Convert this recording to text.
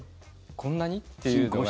こんなに？っていうのが。